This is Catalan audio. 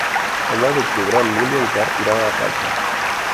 El nou d'octubre en Nil i en Quer iran a la platja.